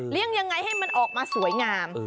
ยังไงให้มันออกมาสวยงาม